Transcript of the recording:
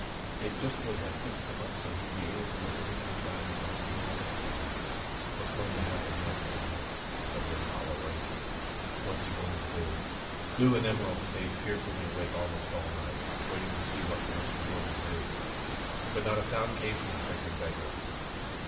It just would have fixed him up so he'd be able to go any time God decided He wanted him." "What's going to happen next, Em?" said Lou hollowly. "What's he going to do?" Lou and Emerald stayed fearfully awake almost all night, waiting to see what Gramps was going to do. But not a sound came from the sacred bedroom.